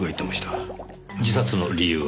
自殺の理由は？